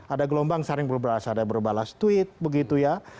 ada gelombang saling berbalas ada berbalas tweet begitu ya